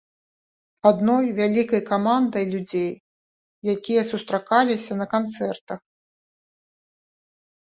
Адной вялікай камандай людзей, якія сустракаліся на канцэртах.